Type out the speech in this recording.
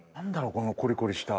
このコリコリした。